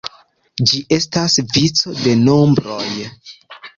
Ĝi estas vico de nombroj.